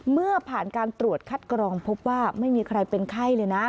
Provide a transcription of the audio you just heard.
เมื่อผ่านการตรวจคัดกรองพบว่าไม่มีใครเป็นไข้เลยนะ